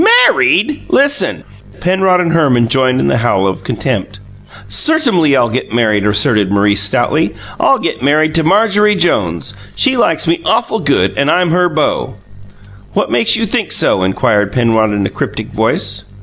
"MARRIED! Listen!" Penrod and Herman joined in the howl of contempt. "Certumly I'll get married," asserted Maurice stoutly. "I'll get married to Marjorie Jones. She likes me awful good, and I'm her beau." "What makes you think so?" inquired Penrod in a cryptic voice.